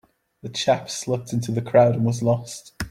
The chap slipped into the crowd and was lost.